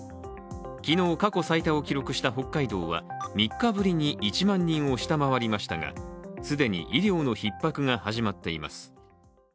昨日、過去最多を記録した北海道は３日ぶりに１万人を下回りましたが既に医療のひっ迫が始まっています。